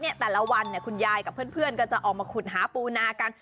แต่ละวันคุณยายกับเพื่อนก็จะออกมาขุดหาปูนากัน